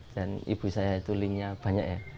dan ibu saya itu linknya banyak ya